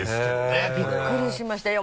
これは。びっくりしましたよ